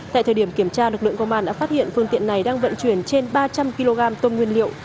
tại thời điểm kiểm tra lực lượng công an đã phát hiện phương tiện này đang vận chuyển trên ba trăm linh kg tôm nguyên liệu